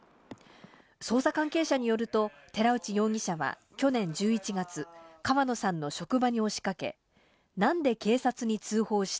捜査関係者によると寺内容疑者は去年１１月、川野さんの職場に押しかけ、何で警察に通報した。